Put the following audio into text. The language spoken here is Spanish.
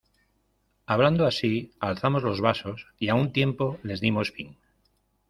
hablando así, alzamos los vasos y a un tiempo les dimos fin.